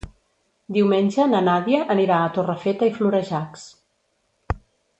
Diumenge na Nàdia anirà a Torrefeta i Florejacs.